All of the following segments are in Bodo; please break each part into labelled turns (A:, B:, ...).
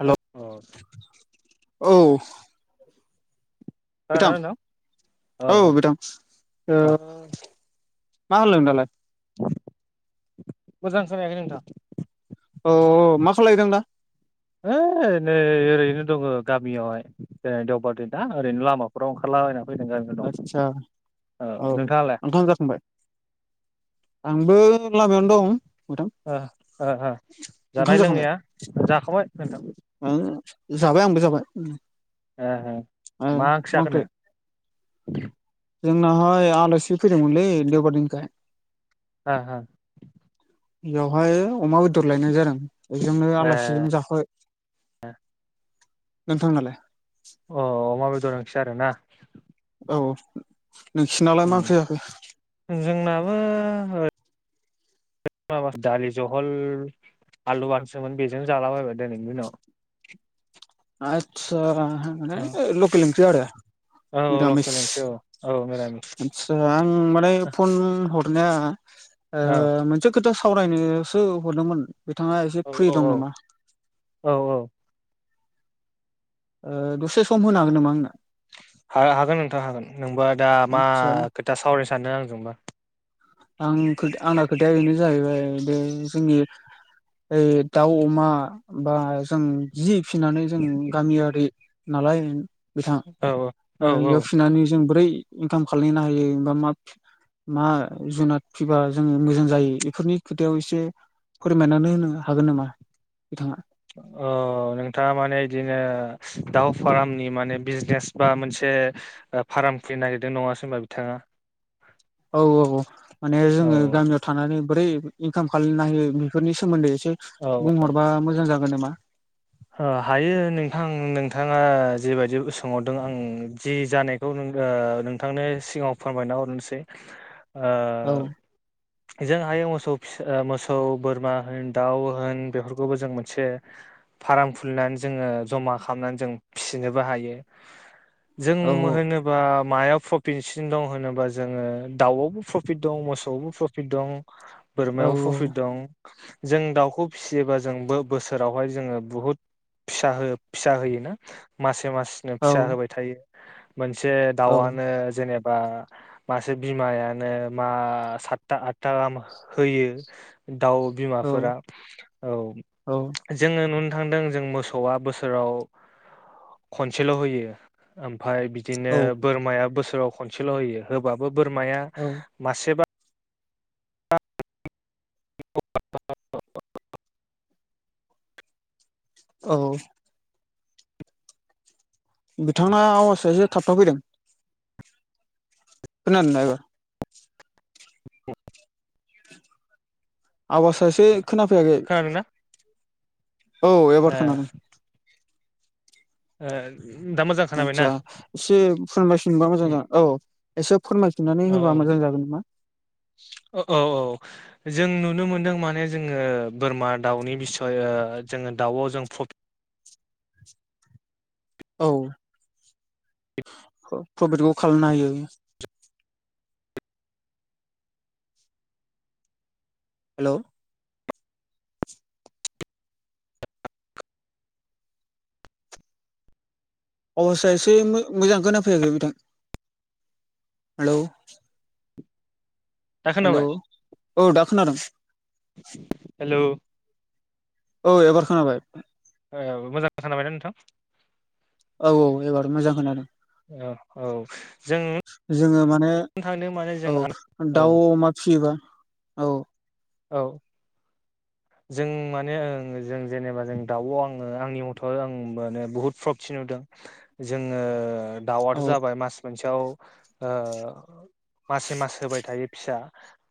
A: हेल'
B: हेलौ
A: औ बिथां औ बिथां ओ
B: औ
A: मा होनगोन दालाय
B: मोजां खोनायाखै नोंथां
A: अ मा खालायदों दा
B: हैओइ ओरैनो ओरैनो दङ गामियावहाय दिनै देवबार दिन ना ओरैनो लामाफोराव ओंखारलाबाय दों
A: आदसा औ
B: नोंथाङालाय
A: नोंथां जाखांबाय आंबो लामायावनो दं नोंथां
B: ओ ओ
A: ओंखाम
B: जानाय
A: जाखांबाय
B: लोंनाया जाखाबाय
A: ओ
B: नोंथां
A: जाबाय आंबो जाबाय उम
B: ए मा ओंख्रि जाखो नो
A: जोंनाहाय आलासि फैदोंमोनलै देवबार दिनखाय
B: हा हा
A: बेवहाय अमा बेदर लायनाय जादों बेजोंनो
B: ए
A: आलासिजों जाफाबाय नोंथांनालाय
B: अ अमा बेदर ओंख्रि आरोना
A: औ नोंसिनालाय मा ओंख्रि जाखो
B: उम जोंनाबो माबा दालि जहल आलु बाथोनसोमोन बेजोंनो जालाबायबाय दिनैनि दिनाव
A: आतसा मान
B: औ
A: लकेल ओंख्रि आरो
B: औ
A: मिरामिस
B: लकेल ओंख्रि औ औ मिरामिस
A: आतसा आं माने
B: औ
A: फन हर हरनाया ओ
B: औ
A: मोनसे खोथा सावरायनोसो हरदोंमोन बिथाङा एसे फ्रि
B: औ
A: दं
B: औ
A: नामा
B: औ औ
A: ओ दसे सम होनो हागोन नामा आंनो
B: हागोन नोंथां हागोन नोंबा दा मा
A: आदसा
B: खोथा सावरायनो सानदों आंजोंबा
A: आं ख आंना खोथाया बेनो जाहैबाय जोंनि ओ दाउ अमा बा जों जि फिसिनानै जों गामियारि नालाय बिथां
B: औ औ औ औ
A: इयाव फिसिनानै जों बोरै इनकाम खानो हायोबा मा मा जुनाद फिबा जोङो मोजां जायो बेफोरनि खोथायाव एसे फोरमायनानै होनो हागोन नामा बिथाङा
B: अ नोंथाङा माने बिदिनो दाउ फार्मनि माने बिजनेस बा मोनसे फार्म खुलिनो नागिरदों नङासै होनबा बिथाङा
A: औ औ माने
B: औ
A: जोङो गामियाव थानानै बोरै इनकाम खालामनो हायो बेफोरनि सोमोन्दै एसे
B: औ
A: बुंहरबा मोजां जागोन नामा
B: ओ हायो नोंथां नोंथाङा जेबायदि सोंहरदों आं जि जानायखौ नों ओ नोंथांनि सिगाङाव फोरमायना हरनोसै ओ
A: औ
B: जों हायो मोसौ फिसा मोसौ बोरमा होन दाउ होन बेफोरखौबो जों मोनसे फार्म खुलिनानै जोङो जमा खालामनानै जों फिसिनोबो हायो। जों
A: औ
B: होनोबा मायाव प्रफिटसिन दं होनोबा जोङो दाउआवबो प्रफिट दं मोसौआवबो प्रफिट दं।
A: औ
B: बोरमायाव प्रफिट दं जों दाउखौ फिसियोबा जों बोसोरावहाय जोङो बुहुद फिसा फिसा होयोना मासे मासनो
A: औ
B: फिसा होबाय थायो। मोनसे
A: औ
B: दाउआनो जेने बा मासे बिमायानो मा सातथा आठथा गाहाम होयो। दाउ
A: औ
B: बिमाफोरा औ
A: औ
B: जोङो नुनो थांदों जों मोसौआ बोसोराव खनसेल' होयो ओम फाय बिदिनो
A: औ
B: बोरमाया बोसोराव खनसेल' होयो होबाबो बोरमाया
A: औ
B: मासेबा [unintelligible]
A: औ। बिथाङा आवासा एसे थाबथा फैदों। खोनादों ना एबार? आवासा एसे खोनाफैयाखै।
B: खोनादोंना
A: औ एबार खोनादों।
B: आ
A: आतसा एसे फोरानबाय सनोबा मोजां जागोन औ एसे [inaudible] होबा
B: औ
A: मोजां जागोन नामा
B: औ औ औ जों नुनो मोनदों माने जोङो बोरमा दाउनि बिसय जोङो दाउआव जों प्रफिट
A: औ प्रफिटखौ खालामनो हायो हेल' अबस्थाया एसे मोजां खोनाफैयाखै नोंथां हेल'
B: दा
A: हेल' औ दा खोनादों
B: हेल'
A: औ एबार खोनाबाय
B: औ मोजां खोनाबायना नोंथां
A: औ औ एबार मोजां खोनादों
B: औ औ जों नुनो
A: जोङो माने
B: थांदों माने जों
A: औ दाउ अमा फिसियोबा औ
B: औ
A: [inaudible]
B: जों माने जों जेनेबा जों दाउ आङो आंनि मथ' आं माने बुहुत [unintelligible] नुदों जोङो
A: औ
B: दाउआथ' जाबाय मास मोनसेयाव ओ मसे मास होबाय थायो फिसा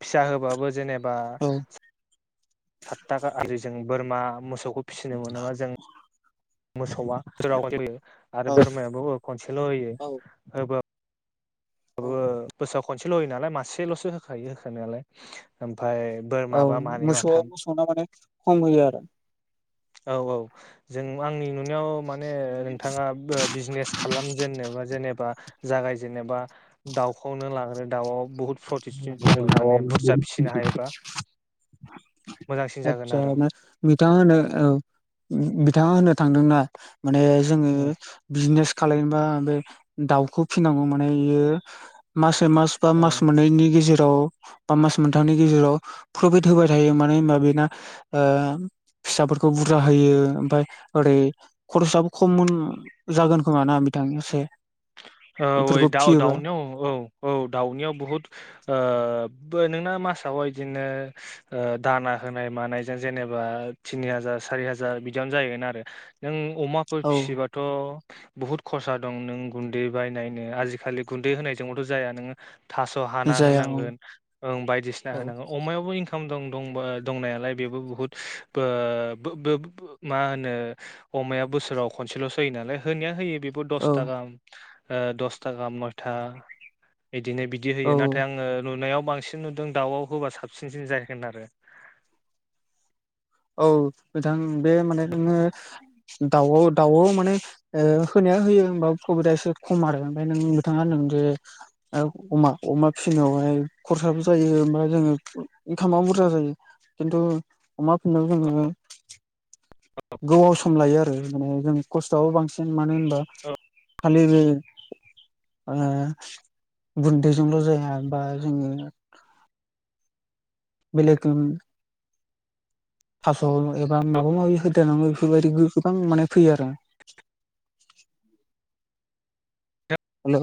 B: फिसा होबाबो जेनेबा
A: औ
B: [unintelligible] आरि जों बोरमा मोसौखौ फिसिनो मोनोबा जों मोसौआ बोसोराव खनसेल' होयो आरो
A: औ
B: बोरमायाबो खनसेल' होयो
A: औ
B: [unintelligible]
A: औ
B: बोसोराव खनसेल' होयो नालाय मासेल'सो होखायो होखानायालाय ओमफ्राय
A: औ
B: बोरमाबा मानै
A: मोसौआ
B: माथाम
A: मोसौना माने खम होयो आरो
B: औ औ जों आंनि नुनायाव माने माने नोंथाङा बिजनेस खालामजेननोबा जेनेबा जागाय जेनेबा दाउखौनो लाग्रो दाउआव बुहुद [unintelligible] दङ माने बुरजा फिसिनो हायोबा मोजांसिन जागोन
A: आतसा
B: आरो
A: [unintelligible] बिथाङा होननो थांदोंना माने जोङो बिजनेस खालामनोबा बे दाउखौ फिसिनांगौ माने यो मासै मास बा
B: औ
A: मास मोननैनि गेजेराव बा मास मोनथामनि गेजेराव प्रफिट होबाय थायो मानो होनबा बेना ओ फिसाफोरखौ बुरजा होयो ओमफ्राय ओरै खरसाबो खम जागोन खोमा ना दां एसे
B: ओ वै
A: बेफोरखौ फियोबा
B: दाव-दाउनियाव औ औ दाउनियाव बहुद ओ बो नोंना मासाव बिदिनो दाना होनाय मानाय जों जेनेबा तिनि हाजार सारि हाजार बिदियावनो जाहैगोन आरो। नों अमाफोर
A: औ
B: फिसिबाथ' बुहुत खरसा दं। नों गुन्दै बायनायनो आजिखालि गुन्दै होनायजोंबोथ' जाया नोङो थास' हाना
A: जाया औ
B: होनांगोन ओं बायदिसिना होनांगोन अमायावबो इंखा दं दंबा दंनायालाय बेबो बुहुत बो बो मा होनो अमाया बोसोराव खनसेल'सोयो नालाय। होनाया होयो बेबो
A: औ
B: दसथा गाहा दसथा गाहाम नयथा बिदिनो बिदि
A: औ
B: होयो नाथाय आङो नुनायाव बांसिन नुदों दाउआव होबा साबसिनसिन जाहैगोन आरो।
A: औ नोंथां बे माने नोङो दाउआव दाउआव माने ओ होनाया होयो होमबाबो प्रफिदा एसे खम आरो ओमफ्राय नों नोंथांङा होन्दों जे अमा अमा फिसिनायाव ओमफाय खरसाबो जायो ओमफ्राय जोङो इनकामाबो बुरजा जायो। खिन्थु अमा होनना बुङो। गोबाव सम लायो आरो माने जों खस्थ'आबो बांसिन मानो होनबा खालि बे ओ गुन्दैजोंल' जाया बा जोङो बेलेक ओ थास' एबा माबा माबि होदेर नांगो बेफोरबायदि गो गोबां माने फैयो आरो। हेल'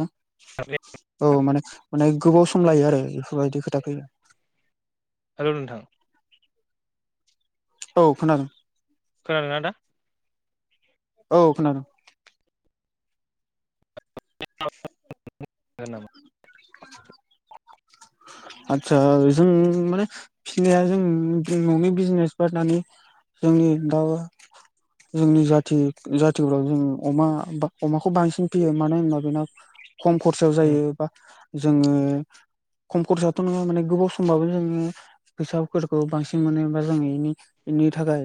A: औ माने माने गोबाव सम लायो आरो बेफोरबायदि खोथा फैयो।
B: हेल' नोंथां।
A: औ खोनादों।
B: खोनादों ना दा?
A: औ खोनादों।
B: हागोन नामा
A: [inaudible] आतसा जों माने फिनाया जों न'नि बिजनेस गारनानै जोंनि दावा जोंनि जाथि जाथिफ्राव जों अमा बा अमाखौ बांसिन फियो मानो होनबा बेना खम खरसायाव जायो। बा जोङो खम खरसाथ' नङा माने गोबाव समबाबो जोङो फैसाफोरखौ बांसिन मोनो। बा इनि इनि थाखाय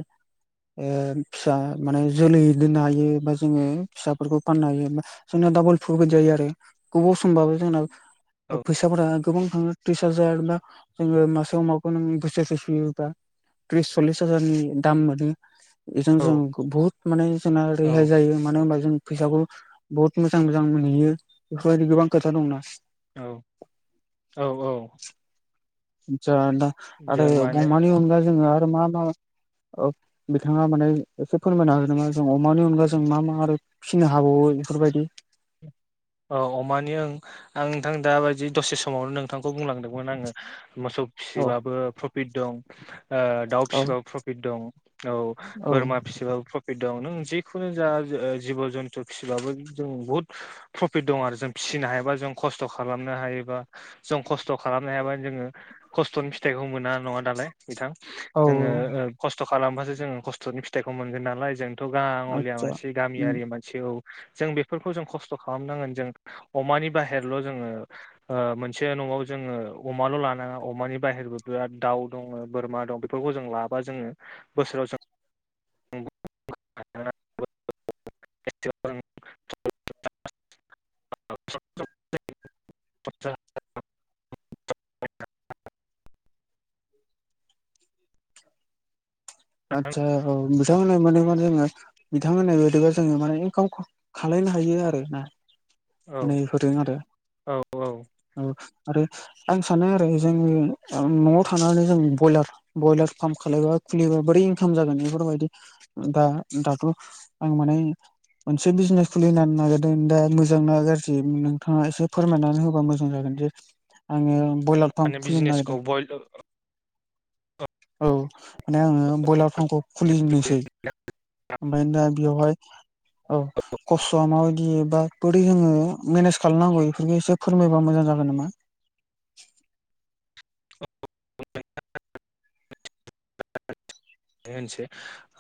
A: ओ फिसा माने जोलै दोननो हायो बा जोङो फिसाफोरखौ फाननो हायो जों दाबल प्रफित जायो आरो गोबाव समबाबो जोंना
B: औ
A: फैसाफोरा गोबां थाङो त्रिस हाजार बा जोङो मासे माखौ नों बोसोरसे फियोबा त्रिस सल्लिस हाजारनि दाम मोनो। बेजों
B: औ
A: जों बुहुत माने जोंना
B: औ
A: रेहाय जायो मानो होनबा जों फैसाखौ बहुत मोजां मोजां मोनहैयो बेफोरबायदि गोबां खोथा दंना।
B: औ औ औ।
A: आदसा नोंथा आरो
B: जों माने
A: अमानि अनगा जोङो आरो मा मा ओ बिथाङा माने एसे फोरमायनो हागोन नामा? जों अमानि अनगा जों मा मा आरो फिसिनो हाबावो। फोर बायदि
B: औ अमानि ओं आं नोंथां दाबायदि दसे समावनो नोंथांखौ बुंलांदोंमोन आङो मोसौ
A: औ
B: फिसिबाबो प्रफिट दं। ओ दाउ
A: औ
B: फिसिबाबो प्रफिट दं औ
A: औ
B: बोरमा फिसिबाबो प्र फिद दं नों जिखुनु जा जिब' जन्थु फिबाबो जों बुहुद प्रफिट दं आरो जों फिसिनो हायाबा जों खस्थ' खालामनो हायोबा जों खस्थ' खालामनो हायाबानो जोङो। खस्थ'नि फिथाइखौ मोना नङा दालाय बिथां जोङो
A: औ
B: ओ खस्थ' खालामबासो जोङो खस्थ'नि फिथाइखौ मोनगोन नालाय जों थ' गाङलिया
A: आदसा
B: मानसि गामियारि मानसि औ जों बेफोरखौ जों खस्थ' खालामनांगोन जों अमानि बाहेरल' जोङो ओ मोनसे न'आव जोङो अमाल' ल लानाङा अमानि बाहेरबो बिराद दाउ दङ बोरमा दं बेफोरखौ जों लाबा जोङो बोसोराव जों [unintelligible] [unintelligible] ए [unintelligible]
A: आतसा औ बिथां मोना माने मा जोङो बिथां होननाय बायदिबा जोङो माने इनकाम खालायनो हायो आरो ना।
B: औ
A: माने होदों आरो
B: औ औ
A: ओ आरो आं सानो आरो जोंङनि न'आव थानानै जों बयलार बयलार फार्म खालायबा खुलिब्लाा बोरै इनकाम जागोन, बेफोरबायदि दा दाथ' आं माने मोनसे बिजनेस खुलिनो नाजादोंदों दा मो जोंना गाज्रि नोंथाङा एसे फोरमायनानै होबा मोजां जागोन जे आङो। ब्रयलार फार्म
B: माने
A: खुलिनो
B: बिजनेसखौ
A: नागिरदों
B: बयल
A: औ माने आङो ब्रयलार फार्मखौ खुलिजेननोसै ओमफ्राय दा बेवहाय औ खस्थ'आ माबायदिबा बोरै जोङो मेनेज खालामनांगौ बेफोरखौ एसे फोरमायबा मोजां जागोन नामा?
B: उ [unintelligible] बे होनसै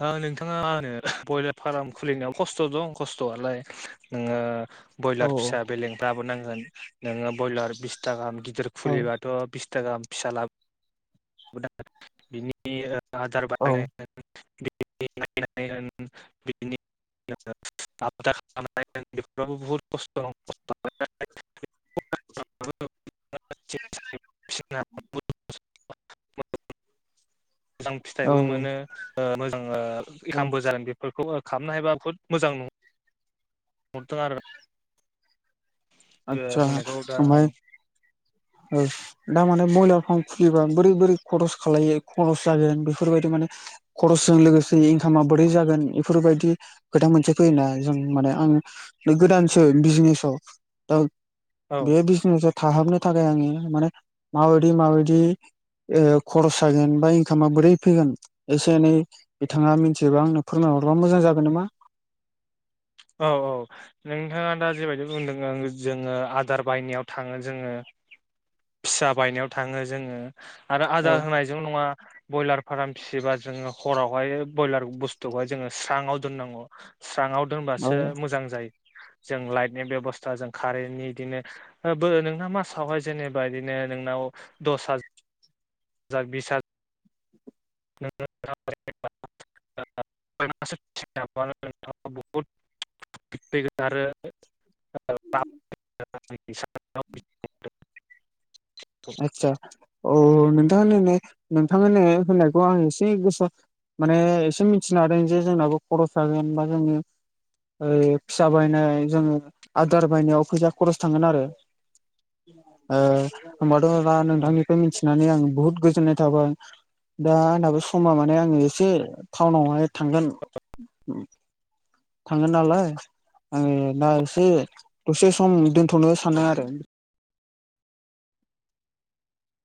B: आ नोंथाङा आ ब्रयलार फार्म खुलिनायाव खस्थ' दं खस्थ'आलाय नोङो
A: औ
B: ब्रयलार फिसा बेलेंफ्राबो नांगोन नोङो ब्रयलार बिस थाखा गिदिर
A: औ
B: खुलिबाथ'बिसथा गााहाम फिसा लाबो
A: औ
B: [unintelligible] [unintelligible] [unintelligible] [unintelligible]
A: [inaudible]
B: [unintelligible] मोजां फिथाइबो
A: औ
B: मोनो। मोजां
A: औ
B: एखामबो जादों बेफोरखौ खालामनो हायोबा बुहुत मोजां नङा [unintelligible] ओ
A: आतसा
B: बुंनायखौ दा
A: आमफ्राय
B: ओं
A: ओ दामाने ब्रयलार फार्म खुलिबा बोरै बोरै खरस खाल खरस जागोन बेफोरबायदि माने खरसा जों लोगोसे इनकामा बोरै जागोन बेफोरबायदि खोथा मोनसे फैयोना जों माने आं गोदानसो बिजनेसाव दा
B: औ
A: बे बिजनेस थाहाबनो थाखाय आङो माने माबायदि माबायदि ओ खरस जागोन बा इनकामा बोरै फैगोन? एसे एनै बिथाङा मिथियोबा आंनो फोरमाय हरबा मोजां जागोन नामा?
B: औ औ नोंथाङा दा जेबायदि बुंदों जोङो आदार बायनायाव थाङो जोङो
A: [inaudible]
B: फिसा बायनायाव थाङो जोङो आरो
A: औ
B: आदार होनायजों नङा ब्रयलार फार्म फिसियोबा जोङो हरावहाय ब्रयलार बुस्थुखौहाय जोङो स्रांआव दोननांगौ स्रांआव दोन
A: औ
B: बासो मोजां जायो। जों लाइटनि बेब'स्था जों कारेन्टनि बिदिनो बो नोंना मासावहाय जेनेबा बिदिनो नोंनाव दस हा जार बिस हा [unintelligible] [unintelligible] [unintelligible] [unintelligible]
A: आदसा औ नोंथां होननाय नोंथां होननायखौ आं एसे गोसा माने एसे मिथिनो हादों जे जोंनाबो खरस जागोन बा जोंङो ओ फिसा बायनाय जोङो आदार बायनायाव फैसा खरस थांगोन आरो ओ होमबाथ' दा नोंथांनिफ्राय मिथिनानै आं बुहुत गोजोननाय थाबाय। दा आंनाबो समा माने आङो एसे टाउनावहाय थांगोन। थांगोन नालाय आङो दा एसे दसे सम दोन थनो सानो सानो आरो।